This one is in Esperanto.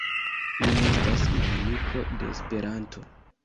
Mi ne estas malamiko de Esperanto.